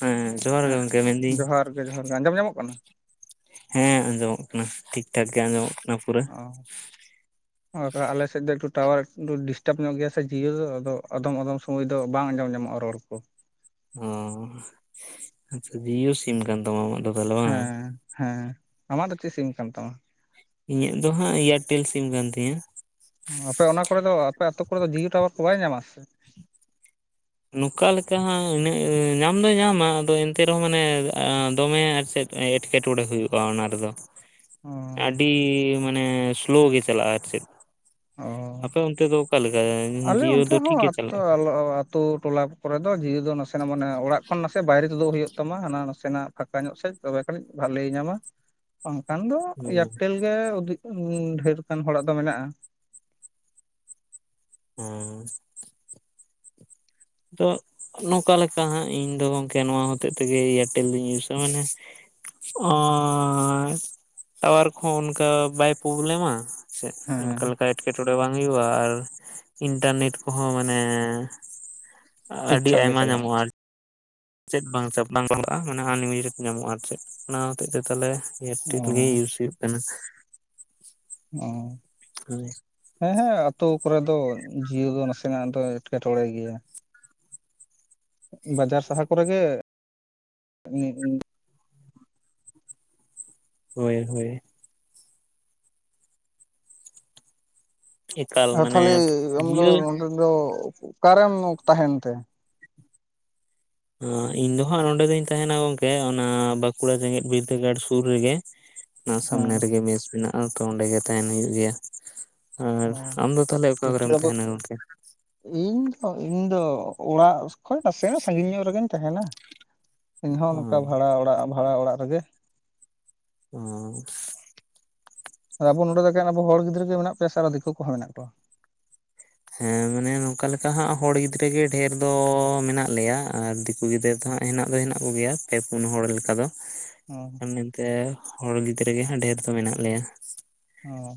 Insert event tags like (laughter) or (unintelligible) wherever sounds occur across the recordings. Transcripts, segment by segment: ᱦᱮᱸ ᱡᱚᱦᱟᱨ ᱜᱮ ᱦᱮᱸ ᱜᱚᱝᱠᱮ ᱢᱮᱱᱫᱟᱹᱧ ᱡᱚᱦᱟᱨ ᱜᱮ ᱡᱚᱦᱟᱨ ᱜᱮ ᱟᱸᱡᱚᱢ ᱧᱟᱢᱚᱜ ᱠᱟᱱᱟ ᱦᱮᱸ ᱟᱸᱡᱚᱢᱚᱜ ᱠᱟᱱᱟ ᱴᱷᱤᱠ ᱴᱷᱟᱠ ᱜᱮ ᱟᱸᱡᱚᱢᱚᱜ ᱠᱟᱱᱟ ᱯᱩᱨᱟᱹ ᱚ ᱟᱞᱮᱥᱮᱫ ᱫᱚ ᱴᱟᱣᱟᱨ ᱰᱤᱥᱴᱟᱵ ᱧᱚᱜ ᱜᱮᱭᱟ ᱥᱮ ᱡᱤᱭᱳ ᱫᱚ ᱟ ᱟᱫᱚᱢ ᱟᱫᱚᱢ ᱥᱚᱢᱚᱭ ᱫᱚ ᱵᱟᱝ ᱟᱸᱡᱚᱢ ᱧᱟᱢᱚᱜᱼᱟ ᱨᱚᱲ ᱠᱚ ᱚ ᱟᱪᱪᱷᱟ ᱡᱤᱭᱳ ᱥᱤᱢ ᱠᱟᱱ ᱛᱟᱢᱟ ᱟᱢᱟᱜ ᱫᱚ ᱛᱟᱦᱚᱞᱮ ᱵᱟᱝ ᱦᱮᱸ ᱦᱮᱸ ᱟᱢᱟᱜ ᱫᱚ ᱪᱮᱫ ᱥᱤᱢ ᱠᱟᱱ ᱛᱟᱢᱟ ᱤᱧᱟᱹᱜ ᱫᱚ ᱦᱟᱸᱜ ᱮᱭᱟᱨᱴᱮᱞ ᱥᱤᱢ ᱠᱟᱱ ᱛᱤᱧᱟᱹ ᱟᱯᱮ ᱚᱱᱟ ᱠᱚᱨᱮ ᱫᱚ ᱟᱯᱮ ᱟ ᱟᱹᱛᱩ ᱠᱚᱨᱮ ᱫᱚ ᱡᱤᱭᱳ ᱴᱟᱣᱟᱨ ᱠᱚ ᱵᱟᱭ ᱧᱟᱢᱟ ᱥᱮ ᱱᱚᱝᱠᱟ ᱞᱮᱠᱟ ᱦᱟᱸᱜ ᱤᱱᱟᱹᱜ ᱧᱟᱢ ᱫᱚᱭ ᱧᱟᱢᱟ ᱟᱫᱚ ᱮᱱᱛᱮ ᱨᱮᱦᱚᱸ ᱢᱟᱱᱮ ᱫᱚᱢᱮ ᱟᱨ ᱪᱮᱫ ᱮᱸᱴᱠᱮᱴᱚᱬᱮ ᱦᱩᱭᱩᱜᱼᱟ ᱚᱱᱟ ᱨᱮᱫᱚ ᱚ ᱟᱹᱰᱤ ᱢᱟᱱᱮ ᱥᱳᱞᱳ ᱜᱮ ᱪᱟᱞᱟᱜᱼᱟ ᱟᱨ ᱪᱮᱫ ᱚ ᱟᱯᱮ ᱚᱱᱛᱮ ᱫᱚ ᱚᱠᱟᱞᱮᱠᱟ ᱡᱤᱭᱳ ᱫᱚ ᱴᱷᱤᱠᱜᱮ ᱪᱟᱞᱟᱜᱼᱟ ᱛᱳ ᱴᱚᱞᱟ ᱠᱚᱨᱮ ᱫᱚ (inaudible) ᱫᱚ ᱱᱟᱥᱮᱱᱟᱜ ᱢᱟᱱᱮ ᱚᱲᱟᱜ ᱠᱷᱚᱱ ᱱᱟᱥᱮ ᱵᱟᱭᱨᱮ ᱛᱳᱫᱚᱜ ᱦᱩᱭᱩᱜ ᱛᱟᱢᱟ ᱦᱟᱱᱟ ᱱᱟᱥᱮᱱᱟᱜ ᱯᱷᱟᱸᱠᱟ ᱧᱚᱜ ᱥᱮᱡ ᱛᱚᱵᱮ ᱠᱷᱟᱱᱤᱡ ᱵᱷᱟᱞᱮ ᱧᱟᱢᱟ ᱵᱟᱝᱠᱷᱟᱱ ᱫᱚ ᱦᱩᱸ ᱮᱭᱟᱨᱴᱮᱞ ᱜᱮ (inaudible) ᱰᱷᱮᱨᱜᱟᱱ ᱦᱚᱲᱟᱜ ᱫᱚ ᱢᱮᱱᱟᱜᱼᱟ ᱦᱩᱸ ᱛᱚ ᱱᱚᱝᱠᱟ ᱞᱮᱠᱟ ᱦᱟᱸᱜ ᱤᱧᱫᱚ ᱜᱚᱝᱠᱮ ᱱᱚᱣᱟ ᱦᱚᱛᱮᱜ ᱛᱮᱜᱮ ᱮᱭᱟᱨᱴᱮᱞ ᱫᱩᱧ ᱤᱭᱩᱥᱟ ᱢᱟᱱᱮ ᱚᱸᱭ ᱴᱟᱣᱟᱨ ᱠᱚᱦᱚᱸ ᱚᱱᱠᱟ ᱵᱟᱭ ᱯᱚᱵᱞᱮᱢᱟ ᱪᱮᱫ ᱦᱮᱸ ᱚᱱᱠᱟ ᱞᱮᱠᱟ ᱮᱴᱠᱮᱴᱚᱬᱮ ᱵᱟᱝ ᱦᱩᱭᱩᱜᱼᱟ ᱟᱨ ᱤᱱᱴᱟᱨᱱᱮᱴ ᱠᱚᱦᱚᱸ ᱢᱟᱱᱮ ᱴᱷᱤᱠ ᱟᱹᱰᱤ ᱴᱷᱟᱠ ᱜᱮ ᱟᱭᱢᱟ ᱪᱟᱞᱟᱜᱼᱟ ᱧᱟᱢᱚᱜᱼᱟ ᱟᱨ ᱪᱮᱫ ᱵᱟᱝ (inaudible) ᱵᱟᱝ ᱞᱟᱜᱟᱜᱼᱟ ᱢᱟᱱᱮ ᱦᱟᱱᱟ (inaudible) ᱧ ᱟᱢᱚᱜᱼᱟ ᱟᱨᱠᱤ ᱚᱱᱟ ᱦᱚᱛᱮᱡ ᱛᱮ ᱛᱷᱟᱞᱮ ᱮᱭᱟᱨᱴᱤᱞ ᱜᱮ ᱚ ᱤᱭᱩᱥ ᱦᱩᱭᱩᱜ ᱠᱟᱱᱟ ᱚᱸ (inaudible) ᱦᱮᱸ ᱦᱮᱸ ᱟᱛᱳ ᱠᱚᱨᱮ ᱫᱚ ᱡᱤᱭᱳ ᱫᱚ ᱱᱟᱥᱮᱱᱟᱜ ᱫᱚᱭ ᱮᱴᱠᱮᱴᱚᱬᱮ ᱜᱮᱭᱟ ᱵᱟᱡᱟᱨ ᱥᱟᱦᱟᱨ ᱠᱚᱨᱮ ᱜᱮ (inaudible) ᱦᱳᱭ ᱦᱳᱭ ᱮᱠᱟᱞ ᱟᱨ ᱢᱟᱱᱮ ᱛᱷᱟᱞᱮ ᱟᱢᱫᱚ ᱡᱤᱭᱳ ᱱᱚᱰᱮ ᱫᱚ ᱚᱠᱟᱨᱮᱢ ᱛᱟᱦᱮᱱ ᱛᱮ ᱦᱟᱸ ᱤᱧ ᱫᱚ ᱦᱟᱸᱜ ᱱᱚᱸᱰᱮ ᱫᱩᱧ ᱛᱟᱦᱮᱱᱟ ᱜᱚᱝᱠᱮ ᱚᱱᱟ ᱵᱟᱸᱠᱩᱲᱟ ᱡᱮᱜᱮᱛ ᱵᱤᱨᱫᱟᱹᱜᱟᱲ ᱥᱩᱨ ᱨᱮᱜᱮ (unintelligible) ᱱᱟ ᱥᱟᱢᱱᱮ ᱨᱮᱜᱮ ᱢᱮᱥ ᱢᱮᱱᱟᱜᱼᱟ ᱛᱚ ᱚᱱᱰᱮ ᱜᱮ ᱛᱟᱦᱮᱱ ᱦᱩᱭᱩᱜ ᱜᱮᱭᱟ ᱚ ᱟᱨ ᱟᱢ ᱫᱚ ᱛᱟᱦᱚᱞᱮ ᱚᱠᱟ ᱠᱚᱨᱮᱢ ᱛᱟᱦᱮᱱᱟ ᱜᱚᱝᱠᱮ? ᱤᱧ ᱛᱚ ᱤᱧ ᱫᱚ ᱚᱲᱟᱜ ᱠᱷᱚᱱ ᱱᱟᱥᱮ ᱥᱟᱺᱜᱤᱧ ᱧᱚᱜ ᱨᱮᱜᱮᱧ ᱛᱟᱦᱮᱱᱟ ᱤᱧ ᱚ ᱦᱚᱸ ᱚᱱᱠᱟ ᱵᱷᱟᱲᱟ ᱚᱲᱟᱜ ᱵᱷᱟᱲᱟ ᱚᱲᱟᱜ ᱨᱮᱜᱮ (inaudible) ᱟᱵᱚ ᱱᱚᱰᱮ ᱫᱚ ᱮᱠᱮᱱ ᱟᱵᱚ ᱦᱚᱲ ᱜᱤᱫᱽᱨᱟᱹ ᱜᱮ ᱢᱮᱱᱟᱜ ᱯᱮ ᱥᱮ ᱟᱨ ᱫᱤᱠᱩ ᱠᱚᱦᱚᱸ ᱢᱮᱱᱟᱜ ᱠᱚᱣᱟ ᱦᱮᱸ ᱢᱟᱱᱮ ᱱᱚᱝᱠᱟ ᱞᱮᱠᱟ ᱦᱟᱸᱜ ᱦᱚᱲ ᱜᱤᱫᱽᱨᱟᱹ ᱜᱮ ᱰᱷᱮᱨ ᱫᱚ ᱢᱮᱱᱟᱜ ᱞᱮᱭᱟ ᱟᱨ ᱠᱩ ᱜᱤᱫᱽᱟᱹᱨ ᱫᱚᱦᱟᱸᱜ ᱦᱮᱱᱟᱜ ᱫᱚ ᱦᱮᱱᱟᱜ ᱠᱚᱜᱮᱭᱟ ᱯᱮ ᱯᱩᱱ ᱦᱚᱲ ᱞᱤᱠᱟ ᱫᱚ (inaudible) ᱢᱮᱱᱛᱮ ᱦᱚᱲ ᱜᱤᱫᱽᱨᱟᱹ ᱜᱮ ᱦᱟᱸᱜ ᱰᱷᱮᱨ ᱫᱚ ᱢᱮᱱᱟᱜ ᱞᱮᱭᱟ ᱚ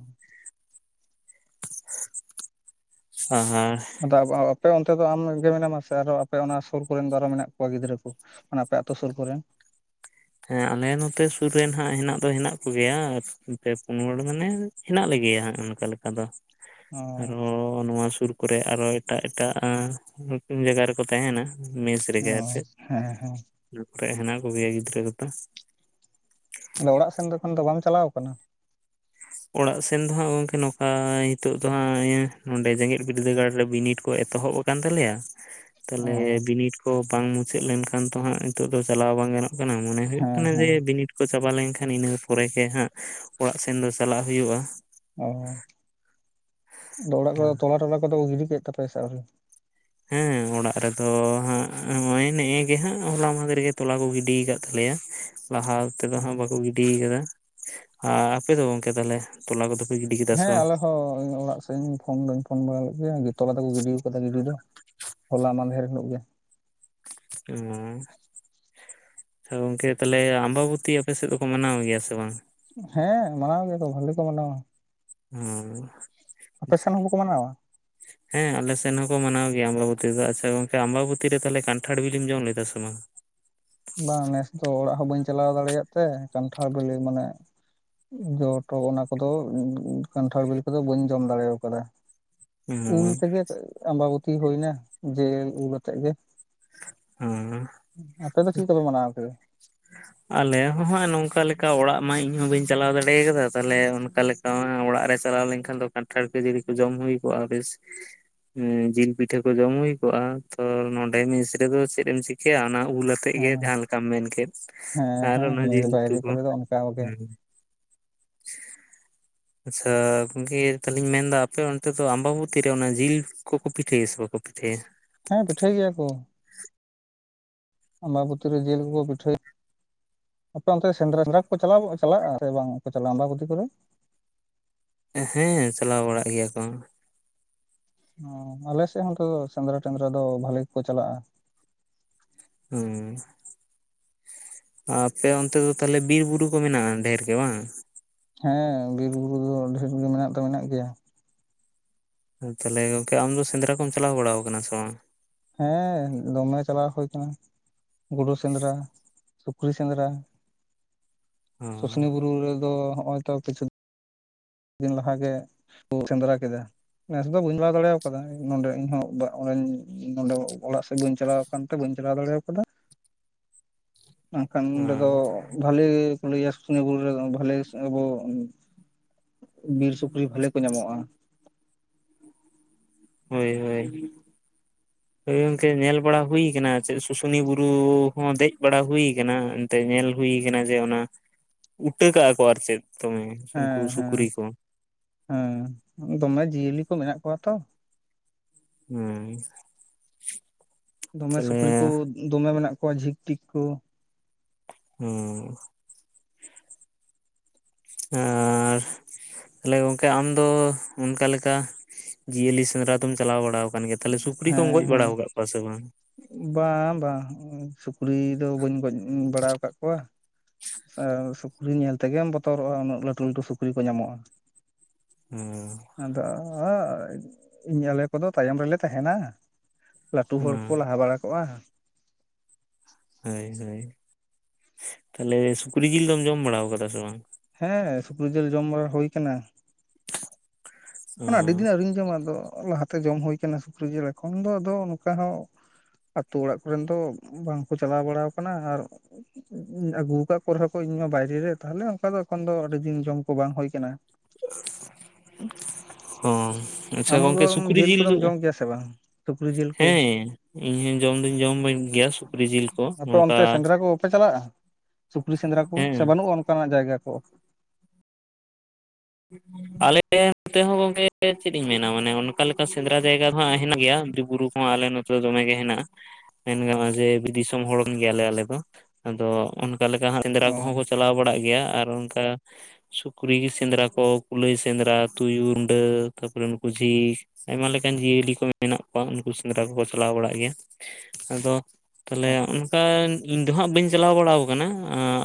(inaudible) ᱟᱫᱚ (inaudible) ᱟᱯᱮ ᱚᱱᱛᱮ ᱫᱚ ᱟᱢᱜᱮ ᱢᱮᱱᱟᱢᱟ ᱥᱮ ᱟᱨᱚ ᱟᱯᱮ ᱚᱱᱟ ᱥᱩᱨ ᱠᱚᱨᱮᱱ ᱫᱚ ᱟᱨᱚ ᱢᱮᱱᱟᱜ ᱠᱚᱣᱟ ᱜᱤᱫᱽᱨᱟᱹ ᱠᱚ ᱚᱱᱟ ᱟᱯᱮ ᱟᱛᱳ ᱥᱳᱨ ᱠᱚᱨᱮᱱ ᱦᱮᱸ ᱟᱞᱮ ᱱᱚᱛᱮ ᱥᱩᱨ ᱨᱮᱱ ᱦᱟᱸᱜ ᱦᱮᱱᱟᱜ ᱫᱚ ᱦᱮᱱᱟᱜ ᱠᱚᱜᱮᱭᱟ ᱯᱮ ᱯᱩᱱ ᱦᱚᱲ ᱢᱟᱱᱮ ᱦᱮᱱᱟᱜ ᱞᱮᱜᱮᱭᱟ ᱦᱟᱸᱜ ᱚᱱᱠᱟ ᱞᱮᱠᱟ ᱫᱚ ᱚ ᱟᱨᱚ ᱚ ᱱᱚᱣᱟ ᱥᱩᱨ ᱠᱚᱨᱮ ᱟᱨᱚ ᱮᱴᱟᱜ ᱮᱴᱟᱜ ᱮᱸ ᱡᱟᱭᱜᱟ ᱨᱮᱠᱚ ᱛᱟᱦᱮᱱᱟ ᱢᱮᱥ ᱨᱮᱜᱮ ᱟᱨ ᱚ ᱪᱮᱫ ᱦᱮᱸ ᱦᱮᱸ ᱱᱚᱛᱮ ᱦᱮᱱᱟ ᱠᱚᱜᱮᱭᱟ ᱜᱤᱫᱽᱨᱟᱹ ᱠᱚᱫᱚ ᱟᱫᱚ ᱚᱲᱟᱜ ᱥᱮᱱ ᱫᱚ ᱮᱠᱷᱚᱱ ᱫᱚ ᱵᱟᱢ ᱪᱟᱞᱟᱣ ᱠᱟᱱᱟ ᱚᱲᱟᱜ ᱥᱮᱱ ᱫᱚ ᱦᱟᱸᱜ ᱜᱚᱝᱠᱮ ᱱᱚᱝᱠᱟ ᱱᱤᱛᱳᱜ ᱫᱚ ᱦᱟᱸᱜ ᱱᱚᱰᱮ ᱡᱮᱜᱮᱛ ᱵᱤᱨᱫᱟᱹᱜᱟᱲ ᱨᱮ ᱵᱤᱱᱤᱰ ᱠᱚ ᱮᱛᱚᱦᱚᱵ ᱾ ᱠᱟᱱ ᱛᱟᱞᱮᱭᱟ ᱚ ᱛᱟᱞᱦᱮ ᱵᱤᱱᱤᱰ ᱠᱚ ᱵᱟᱝ ᱢᱩᱪᱟᱹᱫ ᱞᱮᱱᱠᱷᱟᱱ ᱛᱚ ᱦᱟᱸᱜ ᱱᱤᱛᱚᱜ ᱫᱚ ᱪᱟᱞᱟᱣ ᱵᱟᱝ ᱜᱟᱱᱚᱜ ᱠᱱᱟ ᱢᱚᱱᱮ ᱦᱩᱭᱩᱜ ᱦᱮᱸ ᱛᱟᱱᱟ ᱡᱮ ᱦᱮᱸ ᱵᱤᱱᱤᱰ ᱠᱚ ᱪᱟᱵᱟ ᱞᱮᱱᱠᱷᱟᱱ ᱤᱱᱟᱹ ᱯᱚᱨᱮ ᱜᱮ ᱦᱟᱸᱜ ᱚᱲᱟᱜ ᱥᱮᱱ ᱫᱚ ᱪᱟᱞᱟᱜ ᱦᱩᱭᱩᱜᱼᱟ ᱚ ᱟᱫᱚ ᱚᱲᱟᱜ ᱫᱚ ᱛᱚᱞᱟ ᱴᱚᱞᱟ ᱠᱚᱫᱚ ᱠᱚ ᱜᱤᱰᱤ ᱠᱮᱫ ᱛᱟᱯᱮᱭᱟ ᱥᱮ ᱵᱟᱝ ᱦᱮᱸ ᱚᱲᱟᱜ ᱨᱮᱫᱚ ᱦᱟᱸᱜ ᱱᱚᱭ ᱱᱮᱜᱼᱮ ᱜᱮ ᱦᱟᱸᱜ ᱦᱚᱞᱟ ᱢᱟᱫᱷᱮᱨ ᱨᱮᱜᱤ ᱛᱚᱞᱟ ᱠᱚ ᱜᱤᱰᱤ ᱠᱟᱫ ᱛᱟᱞᱮᱭᱟ ᱞᱟᱦᱟ ᱛᱮᱫᱚ ᱦᱟᱸᱜ ᱵᱟᱠᱚ ᱜᱤᱰᱤᱭ ᱠᱟᱫᱟ ᱟᱨ ᱟᱯᱮᱫᱚ ᱜᱚᱝᱠᱮ ᱛᱟᱦᱞᱮ ᱛᱚᱞᱟ ᱠᱚᱫᱚ ᱯᱮ ᱜᱤᱰᱤ ᱠᱮᱫᱟ ᱥᱮ ᱦᱮᱸ ᱵᱟᱝ ᱟᱞᱮ ᱦᱚᱸ ᱚᱲᱟᱜ ᱥ ᱛᱮᱦᱤᱧ ᱤᱧ ᱯᱷᱳᱱ ᱫᱚᱧ ᱯᱷᱳᱱ ᱵᱟᱲᱟ ᱞᱮᱫ ᱜᱮᱭᱟ ᱜᱮ ᱛᱚᱞᱟ ᱛᱮᱠᱚ ᱜᱤᱰᱤ ᱠᱟᱫᱟ ᱜᱤᱰᱤ ᱫᱚ ᱦᱚᱞᱟ ᱢᱟᱫᱷᱮᱨ ᱦᱤᱞᱳᱜ ᱜᱮ ᱮᱢᱟ ᱛᱚ ᱜᱚᱝᱠᱮ ᱛᱷᱟᱞᱮ ᱟᱢᱵᱟᱵᱚᱛᱤ ᱟᱯᱮ ᱥᱮᱫ ᱫᱚᱠᱚ ᱢᱟᱱᱟᱣ ᱜᱮᱭᱟ ᱥᱮ ᱵᱟᱝ ᱦᱮᱸ ᱢᱟᱱᱟᱣ ᱜᱮᱭᱟᱠᱚ ᱵᱷᱟᱹᱞᱮᱴᱤ ᱠᱚ ᱢᱟᱱᱟᱣᱟ ᱦᱮᱸ ᱟᱯᱮ ᱥᱮᱱ ᱦᱚᱸ ᱵᱟᱠᱚ ᱢᱟᱱᱟᱣᱟ ᱦᱮᱸ ᱟᱞᱮ ᱥᱮᱱ ᱦᱚᱸᱠᱚ ᱢᱟᱱᱟᱣ ᱜᱮᱭᱟ ᱟᱢᱵᱟᱵᱚᱛᱤ ᱫᱚ ᱟᱪᱪᱷᱟ ᱜᱚᱝᱠᱮ ᱟᱢᱵᱟᱵᱚᱛᱤ ᱨᱮ ᱛᱟᱦᱚᱞᱮ ᱠᱟᱱᱴᱷᱟᱲ ᱵᱤᱞᱤᱢ ᱡᱚᱢ ᱞᱮᱫᱟ ᱥᱮ ᱵᱟᱝ ᱵᱟᱝ ᱱᱮᱥ ᱫᱚ ᱚᱲᱟᱜ ᱦᱚᱸ ᱵᱟᱹᱧ ᱪᱟᱞᱟᱣ ᱫᱟᱲᱮᱭᱟᱜ ᱛᱮ ᱠᱟᱱᱴᱷᱟᱲ ᱵᱮᱞᱮ ᱢᱟᱱᱮ ᱡᱚᱴᱚ ᱚᱱᱟ ᱠᱚᱫᱚ ᱠᱟᱱᱴᱷᱟᱲ ᱵᱮᱞᱮ ᱠᱚᱫᱚ ᱵᱟᱹᱧ ᱡᱚᱢ ᱫᱟᱲᱮᱣ ᱠᱟᱫᱟ ᱩᱞ ᱦᱩᱸ ᱛᱮᱜᱮ ᱟᱢᱵᱟᱵᱚᱛᱤ ᱦᱩᱭᱱᱟ ᱡᱮ ᱩᱞ ᱟᱛᱮᱜ ᱜᱮ ᱚᱸ ᱟᱯᱮ ᱫᱚ ᱪᱤᱫ ᱞᱮᱠᱟ ᱯᱮ ᱢᱟᱱᱟᱣ ᱠᱮᱫᱟ? ᱟᱞᱮ ᱦᱚᱸ ᱦᱟᱜ ᱱᱚᱝᱠᱟ ᱞᱮᱠᱟ ᱚᱲᱟᱜ ᱢᱟ ᱤᱧ ᱦᱚᱸ ᱵᱟᱹᱧ ᱪᱟᱞᱟᱣ ᱫᱟᱲᱮ ᱠᱟᱫᱟ ᱛᱟᱞᱦᱮ ᱚᱱᱠᱟ ᱞᱮᱠᱟ ᱚᱲᱟᱜ ᱨᱮ ᱪᱟᱞᱟᱣ ᱞᱮᱱᱠᱷᱟᱱ ᱫᱚ ᱠᱟᱱᱴᱷᱟᱲ ᱠᱷᱟᱹᱡᱟᱹᱲᱤ ᱠᱚ ᱡᱚᱢ ᱦᱩᱭ ᱠᱚᱜᱼᱟ ᱵᱮᱥ ᱡᱤᱞ ᱯᱤᱴᱷᱟᱹ ᱠᱚ ᱡᱚᱢ ᱦᱩᱭ ᱠᱚᱜᱼᱟ ᱛᱚ ᱱᱚᱰᱮ ᱢᱮᱥ ᱨᱮᱫᱚ ᱪᱮᱫ ᱮᱢ ᱪᱤᱠᱟᱹᱭᱟ ᱚᱱᱟ ᱩᱞ ᱟᱛᱮᱫ ᱜᱮ ᱦᱮᱸ ᱡᱟᱦᱟᱸ ᱞᱮᱠᱟᱢ ᱢᱮᱱ ᱠᱮᱫ ᱦᱮᱸ ᱟᱨ ᱦᱮᱸ ᱚᱱᱟ ᱢᱮᱥ ᱡᱤᱞ ᱩᱛᱩ ᱵᱟᱭᱨᱮ ᱠᱚ ᱠᱚᱨᱮ ᱫᱚ ᱚᱱᱠᱟ ᱜᱮ ᱟᱪᱪᱷᱟ ᱜᱚᱝᱠᱮ ᱛᱟᱦᱞᱮᱧ ᱢᱮᱱᱫᱟ ᱟᱯᱮ ᱚᱱᱛᱮ ᱫᱚ ᱟᱢᱵᱟᱵᱚᱛᱤ ᱨᱮ ᱚᱱᱟ ᱡᱤᱞ ᱠᱚᱠᱚ ᱯᱤᱴᱷᱟᱹᱭᱟ ᱥᱮ ᱵᱟᱠᱚ ᱯᱤᱴᱷᱟᱹᱭᱟ? ᱦᱮᱸ ᱯᱤᱴᱷᱟᱹᱭ ᱜᱮᱭᱟ ᱠᱚ ᱟᱢᱵᱟᱵᱚᱛᱤ ᱨᱮ ᱡᱤᱞ ᱠᱚ ᱠᱚ ᱯᱤᱴᱷᱟᱹᱭ ᱟᱯᱮ ᱚᱱᱛᱮ ᱥᱮᱸᱫᱽᱨᱟ ᱥᱮᱸᱫᱽᱨᱟ ᱠᱚ ᱪᱟᱞᱟᱣ ᱪᱟᱞᱟᱜᱼᱟ ᱥᱮ ᱵᱟᱝ ᱠᱚ ᱪᱟᱞᱟᱜᱼᱟ ᱟᱢᱵᱟᱵᱚᱛᱤ ᱠᱚᱨᱮ? ᱦᱮᱸ ᱪᱟᱞᱟᱣ ᱵᱟᱲᱟᱜ ᱜᱮᱭᱟ ᱠᱚ ᱟᱞᱮ ᱥᱮᱫ ᱦᱚᱸᱛᱚ ᱥᱮᱸᱫᱽᱨᱟ ᱴᱮᱸᱫᱽᱨᱟ ᱫᱚ ᱵᱷᱟᱞᱮ ᱜᱮᱠᱚ ᱪᱟᱞᱟᱜᱼᱟ ᱦᱩᱸ ᱟᱯᱮ ᱚᱱᱛᱮ ᱫᱚ ᱛᱟᱦᱞᱮ ᱵᱤᱨ ᱵᱩᱨᱩ ᱠᱚ ᱢᱮᱱᱟᱜᱼᱟ ᱰᱷᱮᱨ ᱜᱮ ᱵᱟᱝ? ᱦᱮᱸ ᱵᱤᱨ ᱵᱩᱨᱩ ᱫᱚ ᱰᱷᱮᱨ ᱜᱮ ᱢᱮᱱᱟᱜ ᱫᱚ ᱢᱮᱱᱟᱜ ᱜᱮᱭᱟ ᱛᱟᱞᱦᱮ ᱜᱚᱝᱠᱮ ᱟᱢ ᱫᱚ ᱥᱮᱸᱫᱽᱨᱟ ᱠᱚᱢ ᱪᱟᱞᱟᱣ ᱵᱟᱲᱟ ᱟᱠᱟᱱᱟ ᱥᱮ ᱵᱟᱝ? ᱦᱮᱸ ᱫᱚᱢᱮ ᱪᱟᱞᱟᱣ ᱦᱩᱭ ᱠᱟᱱᱟ ᱜᱩᱰᱩ ᱥᱮᱸᱫᱽᱨᱟ ᱥᱩᱠᱨᱤ ᱥᱮᱸᱫᱽᱨᱟ ᱚ ᱥᱩᱥᱱᱤ ᱵᱩᱨᱩ ᱨᱮᱫᱚ ᱦᱚᱸᱜᱼᱚᱭ ᱛᱚ ᱠᱤᱪᱷᱩ ᱫᱤᱱ ᱞᱟᱦᱟ ᱜᱮ ᱠᱚ ᱥᱮᱸᱫᱽᱨᱟ ᱠᱮᱫᱟ ᱱᱮᱥ ᱫᱚ ᱵᱟᱹᱧ ᱵᱟᱜᱟᱣ ᱫᱟᱲᱮ ᱟᱠᱟᱫᱟ ᱱᱚᱰᱮ ᱤᱧᱦᱚᱸ ᱱᱚᱰᱮ ᱚᱲᱟᱜ ᱥᱮᱫ ᱵᱟᱹᱧ ᱪᱟᱞᱟᱣ ᱠᱱᱟ ᱛᱮ ᱵᱟᱹᱧ ᱪᱟᱞᱟᱣ ᱫᱟᱲᱮ ᱠᱟᱫᱟ ᱟᱨ ᱠᱷᱟᱱ ᱱᱚᱸᱰᱮ ᱦᱮᱸ ᱫᱚ ᱵᱷᱟᱹᱞᱤ ᱞᱟᱹᱭᱟ ᱥᱩᱥᱱᱤᱭᱟᱹ ᱵᱩᱨᱩ ᱨᱮ ᱵᱷᱟᱞᱮ ᱟᱵᱚ ᱵᱤᱨ ᱥᱩᱠᱨᱤ ᱵᱷᱟᱞᱮ ᱠᱚ ᱧᱟᱢᱚᱜᱼᱟ ᱦᱳᱭ ᱦᱳᱭ ᱦᱳᱭ ᱜᱚᱝᱠᱮ ᱧᱮᱞ ᱵᱟᱲᱟ ᱦᱩᱭ ᱠᱟᱱᱟ ᱪᱮᱫ ᱥᱩᱥᱩᱱᱤ ᱵᱩᱨᱩ ᱦᱚᱸ ᱫᱮᱡ ᱵᱟᱲᱟ ᱦᱩᱭ ᱟᱠᱟᱱᱟ ᱛᱮ ᱧᱮᱞ ᱦᱩᱭ ᱠᱟᱱᱟ ᱡᱮ ᱚᱱᱟ ᱩᱴᱟᱹ ᱠᱟᱜᱼᱟ ᱠᱚ ᱟᱨ ᱪᱮᱫ ᱫᱚᱢᱮ ᱩᱱᱠᱩ ᱦᱮᱸ ᱦᱮᱸ ᱥᱩᱠᱨᱤ ᱠᱚ ᱦᱮᱸ ᱫᱚᱢᱮ ᱡᱤᱭᱟᱹᱞᱤ ᱠᱚ ᱢᱮᱱᱟᱜ ᱠᱚᱣᱟ ᱛᱚ ᱦᱳᱭ ᱫᱚᱢᱮ ᱥᱩᱠᱨᱤ ᱠᱚ ᱫᱚᱢᱮ ᱢᱮᱱᱟᱜ ᱠᱚᱣᱟ ᱡᱷᱤᱠ ᱴᱤᱠ ᱠᱚ ᱦᱩᱸ ᱟᱨ ᱛᱟᱦᱞᱮ ᱜᱚᱝᱠᱮ ᱟᱢ ᱫᱚ ᱚᱱᱠᱟ ᱞᱮᱠᱟ ᱡᱤᱭᱟᱹᱞᱤ ᱥᱮᱸᱫᱽᱨᱟ ᱫᱚᱢ ᱪᱟᱞᱟᱣ ᱵᱟᱲᱟ ᱟᱠᱟᱱ ᱜᱮ ᱛᱟᱦᱚᱞᱮ ᱥᱩᱠᱨᱤ ᱠᱚᱢ ᱦᱮᱸ ᱜᱚᱡ ᱦᱮᱸ ᱵᱟᱲᱟᱣ ᱠᱟᱜ ᱠᱚᱣᱟ ᱥᱮ ᱵᱟᱝ? ᱵᱟᱝ ᱵᱟᱝ ᱥᱩᱠᱨᱤ ᱫᱚ ᱵᱟᱹᱧ ᱜᱚᱡ ᱵᱟᱲᱟᱣ ᱠᱟᱜ ᱠᱚᱣᱟ ᱟᱨ ᱥᱩᱠᱨᱤ ᱧᱮᱞ ᱛᱮᱜᱮᱢ ᱵᱚᱛᱚᱨᱚᱜᱼᱟ ᱩᱱᱟᱹᱜ ᱞᱟᱹᱴᱷᱩ ᱞᱟᱹᱴᱷᱩ ᱥᱩᱠᱨᱤ ᱠᱚ ᱧᱟᱢᱚᱜᱼᱟ ᱦᱩᱸ ᱟᱫᱚ ᱟᱞᱮ ᱠᱚᱫᱚ ᱛᱟᱭᱚᱢ ᱨᱮᱞᱮ ᱛᱟᱦᱮᱱᱟ ᱞᱟᱹᱴᱩ ᱦᱚᱲ ᱦᱮᱸ ᱠᱚᱠᱚ ᱞᱟᱦᱟ ᱵᱟᱲᱟ ᱠᱚᱜᱼᱟ ᱦᱳᱭ ᱛᱟᱞᱦᱮᱮ ᱥᱩᱠᱨᱤ ᱡᱤᱞ ᱫᱚᱢ ᱡᱚᱢ ᱵᱟᱲᱟᱣ ᱠᱟᱫᱟ ᱥᱮ ᱵᱟᱝ ᱦᱮᱸ ᱥᱩᱠᱨᱤ ᱡᱮᱞ ᱡᱚᱢ ᱵᱟᱲᱟ ᱦᱩᱭ ᱟᱠᱟᱱᱟ ᱚ ᱮᱠᱷᱚᱱ ᱟᱹᱰᱤ ᱫᱤᱱ ᱟᱹᱣᱨᱤᱧ ᱡᱚᱢᱟ ᱟᱫᱚ ᱞᱟᱦᱟ ᱛᱮ ᱡᱚᱢ ᱦᱩᱭ ᱟᱠᱟᱱᱟ ᱥᱩᱠᱨᱤ ᱡᱤᱞ ᱮᱠᱷᱚᱱ ᱫᱚ ᱟᱫᱚ ᱚᱱᱠᱟ ᱦᱚᱸ ᱟᱛᱳ ᱚᱲᱟᱜ ᱠᱚᱨᱮᱱ ᱫᱚ ᱵᱟᱝ ᱠᱚ ᱪᱟᱞᱟᱣ ᱵᱟᱲᱟ ᱟᱠᱟᱱᱟ ᱟᱨ ᱟᱹᱜᱩ ᱠᱟᱜ ᱠᱚ ᱨᱮᱦᱚ ᱠᱚ ᱤᱧ ᱵᱟᱭᱨᱮ ᱨᱮ ᱛᱟᱦᱞᱮ ᱚᱱᱠᱟ ᱫᱚ ᱮᱠᱷᱚᱱ ᱫᱚ ᱟᱹᱰᱤ ᱫᱤᱱ ᱡᱚᱢ ᱠᱚ ᱵᱟᱝ ᱦᱩᱭ ᱠᱟᱱᱟ ᱦᱚᱸ ᱟᱪᱪᱷᱟ ᱟᱢ ᱫᱚ ᱜᱚᱝᱠᱮ ᱥᱩᱠᱨᱤ ᱡᱤᱞ ᱠᱚᱫᱚᱢ ᱫᱚ, ᱡᱚᱢ ᱜᱮᱭᱟ ᱥᱮ ᱵᱟᱝ ᱥᱩᱠᱨᱤ ᱡᱤᱞ ᱠᱚ ᱦᱮᱸ ᱤᱧ ᱦᱚᱸ ᱡᱚᱢ ᱫᱩᱧ ᱡᱚᱢ ᱜᱮᱭᱟ ᱥᱩᱠ ᱠᱨᱤ ᱡᱤᱞ ᱠᱚ ᱟᱯᱮ ᱱᱚᱝᱠᱟ ᱚᱱᱛᱮ ᱥᱮᱸᱫᱽᱨᱟ ᱠᱚ ᱵᱟᱯᱮ ᱪᱟᱞᱟᱜᱼᱟ ᱥᱩᱠᱨᱤ ᱥᱮᱸᱫᱽᱨᱟ ᱠᱚ, ᱦᱮᱸ ᱥᱮ ᱵᱟᱹᱱᱩᱜᱼᱟ ᱚᱱᱠᱟᱱᱟᱜ ᱡᱟᱭᱜᱟ ᱠᱚ ᱟᱞᱮ ᱱᱚᱛᱮ ᱦᱚᱸ ᱜᱚᱝᱠᱮ ᱪᱮᱫ ᱤᱧ ᱢᱮᱱᱟ ᱢᱟᱱᱮ ᱚᱱᱠᱟ ᱞᱮᱠᱟ ᱥᱮᱸᱫᱽᱨᱟ ᱡᱟᱭᱜᱟ ᱫᱚ ᱦᱟᱸᱜ ᱦᱮᱱᱟᱜ ᱜᱮᱭᱟ ᱵᱤᱨ ᱵᱩᱨᱩ ᱦᱚᱸ ᱟᱞᱮ ᱱᱚᱛᱮ ᱫᱚᱢᱮ ᱜᱮ ᱦᱮᱱᱟᱜᱼᱟ ᱢᱮᱱ ᱜᱟᱱᱚᱜᱼᱟ ᱡᱮ ᱫᱤᱥᱚᱢ ᱦᱚᱲᱚᱱ ᱜᱮᱭᱟᱞᱮ ᱟᱞᱮ ᱫᱚ ᱟᱫᱚ ᱚᱱᱠᱟ ᱞᱮᱠᱟᱜ ᱥᱮᱸᱫᱽᱨᱟ ᱚ ᱠᱚᱦᱚᱸ ᱠᱚ ᱪᱟᱞᱟᱣ ᱵᱟᱲᱟᱜ ᱜᱮᱭᱟ ᱟᱨ ᱚᱱᱠᱟ ᱥᱩᱠᱨᱤ ᱥᱮᱸᱫᱽᱨᱟ ᱠᱚ ᱠᱩᱞᱟᱹᱭ ᱥᱮᱸᱫᱽᱨᱟ ᱛᱩᱭᱩ, ᱨᱩᱸᱰᱟᱹ ᱛᱟᱯᱚᱨᱮ ᱱᱩᱠᱩ ᱡᱷᱤᱠ ᱟᱭᱢᱟ ᱞᱮᱠᱟᱱ ᱡᱤᱭᱟᱹᱞᱤ ᱠᱚ ᱢᱮᱱᱟᱜ ᱠᱚᱣᱟ ᱩᱱᱠᱩ ᱥᱮᱸᱫᱽᱨᱟ ᱠᱚᱠᱚ ᱪᱟᱞᱟᱣ ᱵᱟᱲᱟᱜ ᱜᱮᱭᱟ ᱟᱫᱚ ᱛᱟᱦᱚᱞᱮ ᱠᱷᱟᱱ ᱤᱧ ᱫᱚ ᱦᱟᱸᱜ ᱵᱟᱹᱧ ᱪᱟᱞᱟᱣ ᱵᱟᱲᱟ ᱟᱠᱟᱱᱟ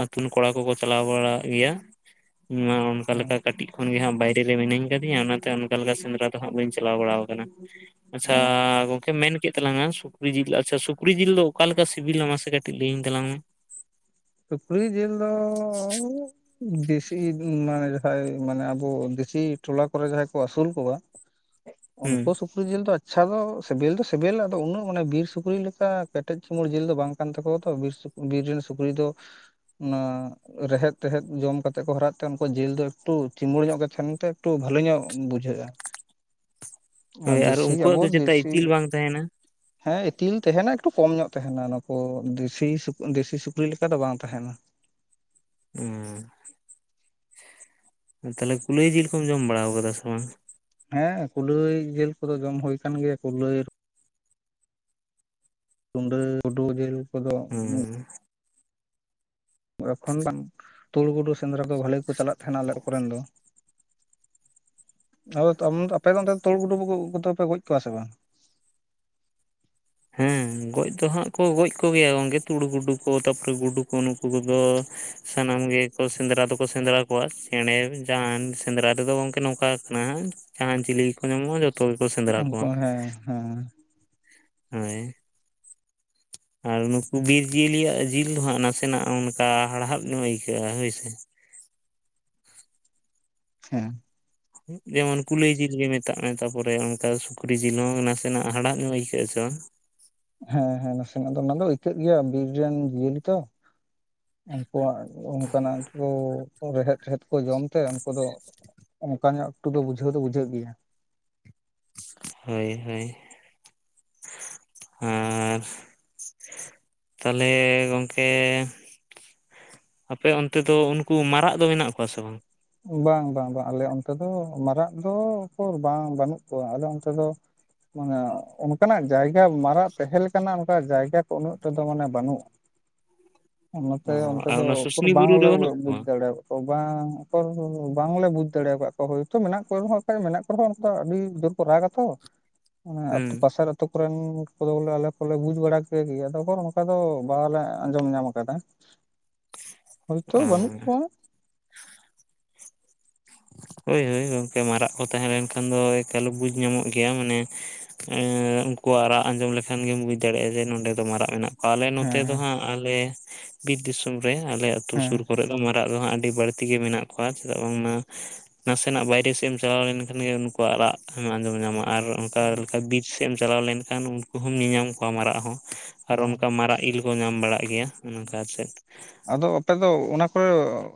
ᱟᱛᱩ ᱨᱮᱱ ᱠᱚᱲᱟ ᱠᱚᱠᱚ ᱪᱟᱞᱟᱣ ᱵᱟᱲᱟᱜ ᱜᱮᱭᱟ ᱤᱧ ᱢᱟ ᱚᱱᱠᱟ ᱞᱮᱠᱟ ᱠᱟᱹᱴᱤᱡ ᱠᱷᱚᱱᱜᱮ ᱦᱟᱸᱜ ᱵᱟᱭ ᱨᱮ ᱢᱤᱱᱟᱹᱧ ᱟᱠᱟᱫᱤᱧᱟ ᱚᱱᱟᱛᱮ ᱚᱱᱠᱟ ᱞᱮᱠᱟ ᱥᱮᱸᱫᱽᱨᱟ ᱫᱚᱦᱟᱜ ᱵᱟᱹᱧ ᱪᱟᱞᱟᱣ ᱵᱟᱲᱟ ᱟᱠᱟᱱᱟ ᱚ ᱟᱪᱪᱷᱟ ᱜᱚᱝᱠᱮ ᱢᱮ ᱠᱮᱫ ᱛᱟᱞᱟᱝ ᱟᱢ ᱥᱩᱠᱨᱤ ᱡᱤᱞ ᱟᱪᱪᱷᱟ, ᱥᱩᱠᱨᱤ ᱡᱤᱞ ᱫᱚ ᱚᱠᱟ ᱞᱮᱠᱟ ᱥᱤᱵᱤᱞᱟ ᱢᱟᱥᱮ ᱠᱟᱹᱴᱤᱡ ᱞᱟᱹᱭᱟᱹᱧ ᱛᱟᱞᱟᱝ ᱢᱮ ᱥᱩᱠᱨᱤ ᱡᱤᱞ ᱫᱚ ᱫᱮᱥᱤ ᱢᱟᱱᱮ ᱡᱟᱦᱟᱸᱭ ᱢᱟᱱᱮ ᱟᱵᱚ ᱫᱮᱥᱤ ᱴᱚᱞᱟ ᱠᱚᱨᱮ ᱡᱟᱦᱟᱸᱭ ᱠᱚ ᱟᱹᱥᱩᱞ ᱠᱚᱣᱟ ᱦᱩᱸ ᱩᱱᱠᱩ ᱥᱩᱠ ᱥᱩᱠᱨᱤ ᱡᱤᱞ ᱫᱚ ᱟᱪᱪᱷᱟ ᱫᱚ ᱥᱮᱵᱤᱞ ᱫᱚ ᱥᱮᱵᱮᱞᱟ ᱟᱫᱚ ᱩᱱᱟᱹᱜ ᱢᱟᱱᱮ ᱵᱤᱨ ᱥᱩᱠᱨᱤ ᱞᱮᱠᱟ ᱠᱮᱴᱮᱡ ᱪᱩᱢᱟᱹᱲ ᱡᱤᱞ ᱫᱚ ᱵᱟᱝ ᱠᱟᱱ ᱛᱟᱠᱚᱣᱟ ᱛᱚ ᱵᱤᱨ ᱥᱩᱠᱨᱤ ᱵᱤᱨ ᱨᱮᱱ ᱥᱩᱠᱨᱤ ᱫᱚ ᱚᱱᱟ ᱨᱮᱦᱮᱫ ᱛᱮᱦᱮᱫ ᱡᱚᱢ ᱠᱟᱛᱮᱫ ᱠᱚ ᱦᱟᱨᱟᱜ ᱛᱮ ᱩᱱᱠᱩ ᱡᱤᱞ ᱫᱚ ᱮᱠᱴᱩ ᱪᱤᱢᱟᱹᱲ ᱧᱚᱜ ᱜᱮ ᱛᱟᱦᱮᱱᱛᱮ ᱮᱠᱴᱩ ᱵᱷᱟᱞᱤ ᱧᱚᱜ ᱵᱩᱡᱷᱟᱹᱜᱼᱟ᱾ ᱟᱨ ᱦᱳᱭ ᱫᱮᱥᱤ ᱩᱱᱠᱩᱣᱟᱜ ᱟᱵᱚ ᱫᱚ ᱪᱮᱛᱟ ᱫᱮᱥᱤ ᱤᱛᱤᱞ ᱵᱟᱝ ᱛᱟᱦᱮᱱᱟ ᱦᱮᱸ ᱤᱛᱤᱞ ᱛᱟᱦᱮᱸᱱᱟ ᱮᱠᱴᱩ ᱠᱚᱢ ᱧᱚᱜ ᱛᱟᱦᱮᱱᱟ ᱱᱩᱠᱩ ᱫᱮᱥᱤ ᱥᱩᱠᱨᱤ ᱞᱮᱠᱟ ᱫᱚ ᱵᱟᱝ ᱛᱟᱦᱮᱱᱟ ᱦᱩᱸ ᱛᱟᱦᱚᱞᱮ ᱠᱩᱞᱟᱹᱭ ᱡᱤᱞ ᱠᱚᱢ ᱡᱚᱢ ᱵᱟᱲᱟᱣ ᱟᱠᱟᱫᱟ ᱥᱮ ᱵᱟᱝ ᱦᱮᱸ ᱠᱩᱞᱟᱹᱭ ᱡᱤᱞ ᱠᱚᱫᱚ ᱡᱚᱢ ᱦᱩᱭ ᱟᱠᱟᱱ ᱜᱮᱭᱟ ᱠᱩᱞᱟᱹᱭ ᱨᱩᱸᱰᱟᱹ, ᱜᱩᱰᱩ ᱡᱤᱞ ᱠᱚᱫᱚ ᱦᱩᱸ ᱮᱠᱷᱚᱱ ᱵᱟᱝ ᱛᱩᱲ, ᱜᱩᱰᱩ ᱥᱮᱸᱫᱽᱨᱟ ᱠᱚ ᱵᱷᱟᱹᱞᱤ ᱠᱚ ᱪᱟᱞᱟᱜ ᱛᱟᱦᱮᱱᱟ ᱟᱞᱮ ᱠᱚᱨᱮᱱ ᱫᱚ ᱟᱫᱚ ᱟᱯᱮ ᱫᱚ ᱚᱱᱛᱮ ᱫᱚ ᱛᱩᱲᱩ ᱜᱩᱴᱩ ᱫᱚᱯᱮ ᱜᱚᱡ ᱠᱚᱣᱟ ᱥᱮ ᱵᱟᱝ ᱦᱮᱸ ᱜᱚᱡ ᱫᱚ ᱦᱟᱸᱜ ᱠᱚ ᱜᱚᱡ ᱠᱚᱜᱮᱭᱟ ᱜᱚᱝᱠᱮ ᱛᱩᱲᱩ ᱜᱩᱰᱩ ᱠᱚ ᱛᱟᱯᱚᱨᱮ ᱜᱩᱰᱩ ᱠᱚ ᱱᱩᱠᱩ ᱩᱱᱠᱩ ᱠᱚᱫᱚ ᱥᱟᱱᱟᱢ ᱜᱮᱠᱚ ᱥᱮᱸᱫᱽᱨᱟ ᱫᱚᱠᱚ ᱥᱮᱸᱫᱽᱨᱟ ᱠᱚᱣᱟ ᱪᱮᱬᱮ, ᱡᱟᱱ ᱥᱮᱸᱫᱽᱨᱟ ᱛᱮᱫᱚ ᱜᱚᱝᱠᱮ ᱱᱚᱝᱠᱟ ᱠᱟᱱᱟ ᱡᱟᱦᱟᱸᱟᱱ ᱪᱤᱞᱤ ᱠᱚᱠᱚ ᱧᱟᱢᱚᱜᱼᱟ ᱡᱚᱛᱚ ᱜᱮᱠᱚ ᱥᱮᱸᱫᱽᱨᱟ ᱩᱱᱠᱩ ᱠᱚᱣᱟ ᱦᱮᱸ ᱦᱮᱸ ᱦᱳᱭ ᱦ ᱟᱨ ᱱᱩᱠᱩ ᱵᱤᱨ ᱡᱤᱭᱟᱹᱤᱭᱟᱜ ᱡᱤᱞ ᱫᱚ ᱦᱟᱸᱜ ᱱᱟᱥᱮᱱᱟᱜ ᱚᱱᱠᱟ ᱦᱟᱲᱦᱟᱜ ᱧᱚᱜ ᱟᱹᱭᱠᱟᱹᱜᱼᱟ ᱦᱳᱭᱥᱮ ᱦᱮᱸ ᱡᱮᱢᱚᱱ ᱠᱩᱞᱟᱹᱭ ᱡᱤᱞ ᱜᱮ ᱢᱮᱛᱟᱜ ᱢᱮ ᱛᱟᱯᱚᱨᱮ ᱚᱱᱠᱟ ᱥᱩᱠᱨᱤ ᱡᱤᱞ ᱦᱚᱸ ᱱᱟᱥᱮᱱᱟᱜ ᱦᱟᱲᱦᱟᱜ ᱧᱚᱜ ᱟᱹᱭᱠᱟᱹᱜ-ᱟ ᱥᱮ ᱦᱮᱸ ᱦᱮᱸ ᱱᱟᱥᱮᱱᱟᱜ ᱫᱚ ᱚᱱᱟ ᱫᱚ ᱟᱹᱭᱠᱟᱹᱜ ᱜᱮᱭᱟ ᱵᱤᱨ ᱨᱮᱱ ᱡᱤᱭᱟᱹᱞᱤ ᱛᱚ ᱩᱱᱠᱩᱣᱟᱜ ᱚᱱᱠᱟᱱᱟᱜ ᱠᱚ ᱨᱮᱦᱮᱫ ᱴᱮᱦᱮᱫ ᱠᱚ ᱡᱚᱢ ᱛᱮ ᱩᱱᱠᱩ ᱫᱚ ᱚᱱᱠᱟ ᱧᱚᱜ ᱮᱠᱴᱩ ᱫᱚ ᱵᱩᱡᱷᱟᱹᱣ ᱫᱚ ᱵᱩᱡᱷᱟᱹᱜ ᱜᱮᱭᱟ ᱦᱳᱭ ᱦᱳᱭ, ᱟᱨ ᱛᱟᱦᱚᱞᱮ ᱜᱚᱝᱠᱮ ᱟᱯᱮ ᱚᱱᱛᱮ ᱫᱚ ᱩᱱᱠᱩ ᱢᱟᱨᱟᱜ ᱫᱚ ᱢᱮᱱᱟᱜ ᱠᱚᱣᱟ ᱥᱮ ᱵᱟᱝ ᱵᱟᱝ ᱵᱟᱝ ᱵᱟᱝ ᱟᱞᱮ ᱚᱱᱛᱮ ᱫᱚ ᱢᱟᱨᱟᱜ ᱫᱚ ᱠᱚ ᱵᱟᱝ ᱵᱟᱹᱱᱩᱜ ᱠᱚᱣᱟ ᱟᱞ ᱚᱱᱛᱮ ᱫᱚ ᱢᱟᱱᱮ ᱚᱱᱠᱟᱱᱟᱜ ᱡᱟᱭᱜᱟ ᱢᱟᱨᱟᱜ ᱛᱟᱦᱮᱸ ᱞᱮᱠᱟᱱᱟᱜ ᱚᱱᱠᱟ ᱡᱟᱭᱜᱟ ᱠᱚ ᱩᱱᱟᱹᱜ ᱴᱟ ᱫᱚ ᱢᱟᱱᱮ ᱵᱟᱹᱱᱩᱜᱼᱟ ᱚᱱᱟᱛᱮ ᱚ ᱚᱱᱛᱮ ᱟᱨ ᱫᱚ ᱚᱱᱟ ᱩᱠᱩᱨ ᱥᱩᱥᱱᱤ ᱵᱩᱨᱩ ᱨᱮ ᱵᱟᱝᱞᱮ ᱵᱟᱹᱱᱩᱜ ᱵᱩᱡᱽ ᱠᱚᱣᱟ ᱫᱟᱲᱮᱣᱟ ᱠᱚ ᱵᱟᱝ (unintelligible) ᱵᱟᱝᱞᱮ ᱵᱩᱡᱽ ᱫᱟᱲᱮ ᱟᱠᱟᱜ ᱠᱚᱣᱟ ᱦᱳᱭᱛᱚ ᱢᱮᱱᱟᱜ ᱠᱚ ᱨᱮᱦᱚᱸ ᱠᱟᱜᱚᱡ ᱢᱮᱱᱟᱜ ᱠᱚ ᱨᱮᱦᱚᱸ ᱱᱩᱠᱩ ᱫᱚ ᱟᱹᱰᱤ ᱡᱳᱨ ᱠᱚ ᱨᱟᱜᱟ ᱛᱚ ᱚᱱᱮ ᱟᱛᱩ ᱦᱮᱸ ᱯᱟᱥᱮᱨ ᱟᱛᱳ ᱠᱚᱨᱮᱱ ᱠᱚᱫᱚ ᱵᱚᱞᱮ ᱟᱞᱮ ᱠᱚᱞᱮ ᱵᱩᱡ ᱵᱟᱲᱟ ᱠᱮ ᱜᱮᱭᱟ ᱟᱫᱚ ᱚᱠᱟᱨᱮ ᱱᱚᱠᱟ ᱫᱚ ᱵᱟᱞᱮ ᱟᱸᱡᱚᱢ ᱧᱟᱢ ᱟᱠᱟᱫᱟ᱾ ᱦᱳᱭᱛᱳ ᱚ ᱵᱟᱹᱱᱩᱜ ᱠᱚᱣᱟ᱾ ᱦᱳᱭ ᱦᱳᱭ ᱜᱚᱝᱠᱮ ᱢᱟᱨᱟᱜ ᱠᱚ ᱛᱟᱦᱮᱸ ᱞᱮᱱᱠᱷᱟᱱ ᱫᱚ ᱮᱠᱟᱞᱮ ᱵᱩᱡᱽ ᱧᱟᱢᱚᱜ ᱜᱮᱭᱟ ᱢᱟᱱᱮ ᱮᱸᱜ ᱩᱱᱠᱩᱣᱟᱜ ᱨᱟᱜ ᱟᱸᱡᱚᱢ ᱞᱮᱠᱷᱟᱱ ᱜᱮᱧ ᱵᱩᱡ ᱫᱟᱲᱮᱜᱼᱟ ᱡᱮ ᱱᱚᱸᱰᱮ ᱫᱚ ᱢᱟᱨᱟᱜ ᱢᱮᱱᱟᱜ ᱟᱞᱮ ᱱᱚᱛᱮ ᱫᱚ ᱦᱮᱸ ᱦᱟᱸᱜ ᱟᱞᱮ ᱵᱤᱨ ᱫᱤᱥᱚᱢ ᱨᱮ ᱟᱞᱮ ᱟᱹᱛᱩ ᱦᱮᱸ ᱥᱩᱨ ᱠᱚᱨᱮ ᱢᱟᱨᱟᱜ ᱫᱚ ᱦᱟᱸᱜ ᱟᱹᱰᱤ ᱵᱟᱲᱛᱤ ᱜᱮ ᱢᱮᱱᱟᱜ ᱠᱚᱣᱟ, ᱪᱮᱫᱟᱜ ᱵᱟᱝᱢᱟ ᱱᱟᱥᱮᱱᱟᱜ ᱵᱟᱭᱨᱮ ᱥᱮᱢ ᱪᱟᱞᱟᱣ ᱞᱮᱱᱠᱷᱟᱱ ᱜᱮ ᱩᱱᱠᱩᱣᱟᱜ ᱨᱟᱜ ᱮᱢ ᱟᱸᱡᱚᱢ ᱧᱟᱢᱟ ᱟᱨ ᱚᱝᱠᱟ ᱞᱮᱠᱟ ᱵᱤᱨ ᱥᱮᱢ ᱪᱟᱞᱟᱣ ᱞᱮᱱᱠᱷᱟᱱ ᱩᱱᱠᱩ ᱦᱚᱸᱢ ᱧᱮᱧᱟᱢ ᱠᱚᱣᱟ ᱢᱟᱨᱟᱜ ᱦᱚᱸ ᱟᱨ ᱚ ᱚᱱᱠᱟ ᱢᱟᱨᱟᱜ ᱤᱞ ᱠᱚ ᱧᱟᱢ ᱵᱟᱲᱟᱜ ᱜᱮᱭᱟ᱾ ᱩᱱ ᱚᱝᱠᱟ ᱥᱮᱫ᱾ ᱟᱫᱚ ᱟᱯᱮ ᱫᱚ ᱚᱱᱟ ᱠᱚ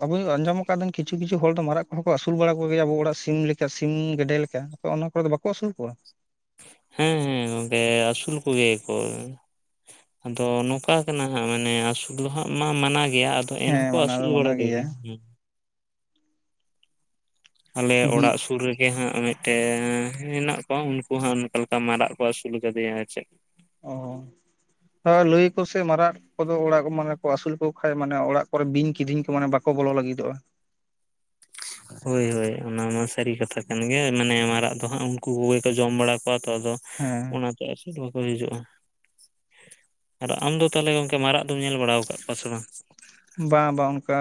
ᱟᱵᱩᱧ ᱟᱸᱡᱚᱢ ᱟᱠᱟᱫᱟᱹᱧ ᱠᱤᱪᱷᱩ ᱠᱤᱪᱷᱩ ᱦᱚᱲ ᱫᱚ ᱢᱟᱨᱟᱜ ᱠᱚᱦᱚᱸ ᱠᱚ ᱟᱹᱥᱩᱞ ᱵᱟᱲᱟ ᱠᱚ ᱜᱮᱭᱟ ᱟᱵᱚ ᱚᱲᱟᱜ ᱥᱤᱢ ᱞᱮ ᱥᱮ ᱥᱤᱢ, ᱜᱮᱰᱮ ᱞᱮᱠᱟ ᱟᱯᱮ ᱚᱱᱟ ᱠᱚᱨᱮ ᱫᱚ ᱵᱟᱠᱚ ᱟᱥᱩᱞ ᱠᱚᱣᱟ? ᱦᱮᱸ ᱦᱮᱸ ᱜᱚᱝᱠᱮ ᱟᱹᱥᱩᱞ ᱠᱚᱜᱮ ᱟᱠᱚ᱾ ᱟᱫᱚ ᱱᱚᱠᱟ ᱠᱟᱱᱟ ᱦᱟᱸᱜ ᱢᱟᱱᱮ ᱟᱥᱩᱞ ᱫᱚ ᱦᱟᱸᱜ ᱢᱟ-ᱢᱟᱱᱟ ᱜᱮᱭᱟ᱾ ᱛᱚ ᱮᱱ ᱦᱮᱸ ᱦᱚᱸᱠᱚ ᱢᱟᱱᱟ ᱟᱹᱥᱩᱞ ᱫᱚ ᱢᱟᱱᱟ ᱵᱟᱲᱟ ᱠᱚᱜᱮ, ᱜᱮᱭᱟ ᱦᱩᱸ᱾ ᱟᱞᱮ ᱵᱤᱨ ᱚᱲᱟᱜ ᱥᱩᱨ ᱨᱮᱜᱮ ᱦᱟᱸᱜ ᱢᱤᱫ ᱴᱮᱻ ᱦᱮᱱᱟᱜ ᱠᱚᱣᱟ ᱩᱱᱠᱩ ᱦᱚᱸ ᱚᱱᱠᱟ ᱞᱮᱠᱟ ᱢᱟᱨᱟᱜ ᱠᱚ ᱟᱹᱥᱩᱞ ᱠᱟᱫᱮᱭᱟ, ᱟᱨ ᱪᱮᱜ ᱚ ᱦᱚ ᱞᱟᱹᱭ ᱟᱠᱚᱥᱮ ᱢᱟᱨᱟᱜ ᱠᱚᱫᱚ ᱚᱲᱟᱜ ᱢᱟᱱᱮ ᱠᱚ ᱟᱹᱥᱩᱞ ᱠᱚ ᱠᱷᱟᱡ ᱢᱟᱱᱮ ᱚᱲᱟᱜ ᱠᱚᱨᱮ ᱵᱤᱧ, ᱠᱤᱫᱤᱧ ᱠᱚ ᱢᱟᱱᱮ ᱵᱟᱠᱚ ᱵᱚᱞᱚ ᱞᱟᱹᱜᱤᱫᱚᱜᱼᱟ᱾ ᱦᱳᱭ ᱦᱳᱭ ᱚᱱᱟ ᱢᱟ ᱥᱟᱹᱨᱤ ᱠᱟᱛᱷᱟ ᱠᱟᱱ ᱜᱮ ᱢᱟᱱᱮ ᱢᱟᱨᱟᱜ ᱫᱚ ᱦᱟᱸᱜ ᱩᱱᱠᱩ ᱠᱚᱜᱮ ᱠᱚ ᱡᱚᱢ ᱵᱟᱲᱟ ᱠᱚᱣᱟ ᱛᱚ ᱟᱫᱚ ᱦᱮᱸ ᱚᱱᱟ ᱛᱮ ᱟᱨ ᱪᱤᱫ ᱵᱟᱠᱚ ᱦᱤᱡᱩᱜᱼᱟ᱾ ᱟᱨ ᱟᱢ ᱫᱚ ᱛᱟᱦᱚᱞᱮ ᱜᱚᱝᱠᱮ ᱢᱟᱨᱟᱜ ᱫᱚᱢ ᱧᱮᱞ ᱵᱟᱲᱟᱣ ᱠᱟᱜ ᱠᱚᱣᱟ ᱥᱮ ᱵᱟᱝ? ᱵᱟ ᱵᱟ ᱚᱱᱠᱟ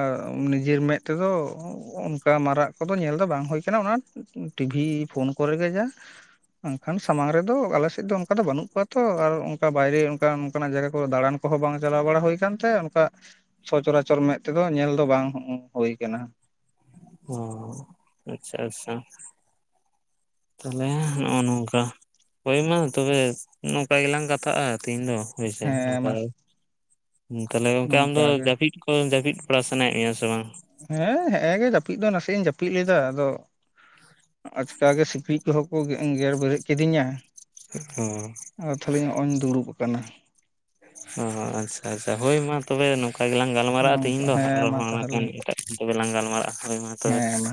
ᱱᱤᱡᱮᱨ ᱢᱮᱫ ᱛᱮᱫᱚ ᱚᱱᱠᱟ ᱢᱟᱨᱟᱜ ᱠᱚᱫᱚ ᱧᱮᱞ ᱫᱚ ᱵᱟᱝ ᱦᱩᱭ ᱠᱟᱱᱟ, ᱚᱱᱟ ᱴᱤᱵᱷᱤ ᱯᱷᱳᱱ ᱠᱚᱨᱮ ᱜᱮ ᱡᱟ᱾ ᱟᱝᱠᱷᱟᱱ ᱥᱟᱢᱟᱝ ᱨᱮᱫᱚ ᱟᱞᱮ ᱥᱮᱡ ᱫᱚ ᱚᱱᱠᱟ ᱫᱚ ᱵᱟᱹᱱᱩᱜ ᱠᱚᱣᱟ ᱛᱚ ᱟᱨ ᱚᱝᱠᱟ ᱵᱟᱭᱨᱮ ᱚᱝᱠᱟᱱ ᱚᱱᱠᱟᱱᱟᱜ ᱡᱟᱭᱜᱟ ᱠᱚᱨᱮ ᱫᱟᱬᱟᱱ ᱠᱚᱦᱚ ᱵᱟᱝ ᱪᱟᱞᱟᱣ ᱵᱟᱲᱟ ᱦᱩᱭ ᱠᱟᱱᱛᱮ ᱚᱱᱠᱟ ᱥᱚᱪᱚᱨᱟᱪᱚᱨ ᱢᱮᱫ ᱛᱮᱫᱚ ᱧᱮᱞ ᱫᱚ ᱵᱟᱝ ᱦᱳᱭ ᱠᱟᱱᱟ᱾ ᱦᱚᱸ, ᱟᱪᱪᱷᱟ ᱟᱹᱥᱥᱷᱟ᱾ ᱛᱟᱦᱚᱞᱮ ᱱᱚᱜᱼᱚ ᱱᱚᱝᱠᱟ᱾ ᱦᱳᱭ ᱢᱟ ᱛᱚᱵᱮ ᱱᱚᱝᱠᱟ ᱜᱮᱞᱟᱝ ᱠᱟᱛᱷᱟᱜᱼᱟ ᱛᱤᱦᱤᱧ ᱫᱚ ᱦᱳᱭᱥᱮ ᱦᱮᱸ ᱱᱚᱝᱠᱟ ᱢᱟ ᱛᱟᱦᱞᱮ ᱜᱚᱝᱠᱮ ᱟᱢ ᱫᱚ ᱱᱚᱝᱠᱟ ᱜᱮ ᱡᱟᱹᱯᱤᱫ ᱠᱚ ᱡᱟᱹᱯᱤᱫ ᱵᱟᱲᱟ ᱥᱟᱱᱟᱭᱮᱜ ᱢᱮᱭᱟ ᱥᱮ ᱵᱟᱝ? ᱦᱮᱸ ᱦᱮᱸᱜᱼᱮ ᱜᱮ ᱡᱟᱹᱯᱤᱫ ᱫᱚ ᱱᱟᱥᱮᱭᱟ ᱤᱧ ᱡᱟᱹᱯᱤᱫ ᱞᱮᱫᱟ, ᱟᱫᱚ ᱟᱪᱠᱟ ᱜᱮ ᱥᱤᱠᱲᱤᱡ ᱠᱚᱦᱚᱸ ᱠᱚ ᱜᱮ-ᱮᱸ-ᱜᱮᱨ ᱵᱮᱨᱮᱫ ᱠᱤᱫᱤᱧᱟ᱾ ᱦᱚᱸ᱾ ᱟᱨ ᱛᱷᱟᱞᱮᱧ ᱦᱚᱜᱼᱚᱧ ᱫᱩᱲᱩᱵ ᱠᱟᱱᱟ᱾ ᱦᱚᱸ ᱦᱚᱸ ᱟᱪᱪᱷᱟ ᱟᱪᱪᱷᱟ ᱦᱳᱭ ᱢᱟ ᱛᱚᱵᱮ ᱱᱚᱠ ᱠᱟ ᱜᱮᱞᱟᱝ ᱜᱟᱞᱢᱟᱨᱟᱜᱼᱟ ᱱᱚᱝᱠᱟ ᱛᱤᱦᱤᱧ ᱫᱚ ᱦᱮᱸ ᱢᱟ ᱟᱨᱦᱚᱸ ᱱᱟᱜ ᱛᱟᱦᱚᱞᱮ ᱠᱷᱟᱱ ᱮᱴᱟᱜ (unintelligible) ᱞᱟᱝ ᱜᱟᱞᱢᱟᱨᱟᱜᱼᱟ ᱦᱳᱭ ᱢᱟ ᱛᱚᱵᱮ᱾ ᱦᱮᱸ ᱢᱟ